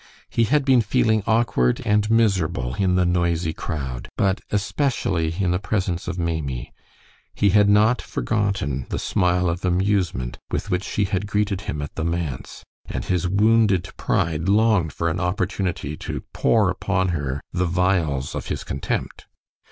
He had been feeling awkward and miserable in the noisy crowd, but especially in the presence of Maimie. He had not forgotten the smile of amusement with which she had greeted him at the manse, and his wounded pride longed for an opportunity to pour upon her the vials of his contempt.